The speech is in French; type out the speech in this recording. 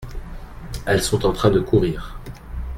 Elles sont en train de courir.